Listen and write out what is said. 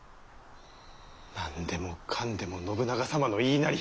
何でもかんでも信長様の言いなり。